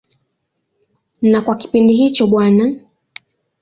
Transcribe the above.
Na kwa kipindi hicho Bw.